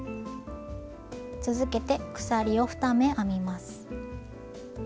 続けて鎖を２目編みます。